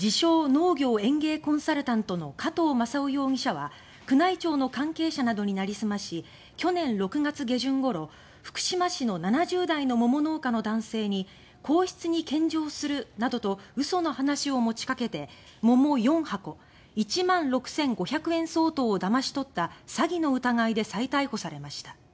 ・農業園芸コンサルタントの加藤正夫容疑者は宮内庁の関係者などになりすまし去年６月下旬ごろ７０代の桃農家の男性に皇室に献上するなどと嘘の話を持ちかけて桃４箱、１万６５００円相当をだまし取った詐欺の疑いで再逮捕されました。